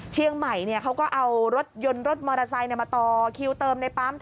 เชียงใหม่เขาก็เอารถยนต์รถมอเตอร์ไซค์มาต่อคิวเติมในปั๊ม